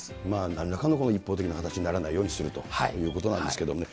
なんらかの一方的な話にならないようにするということなんですけどね。